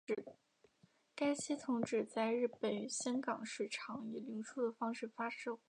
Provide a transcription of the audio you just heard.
该系统只在日本与香港市场以零售的方式发售。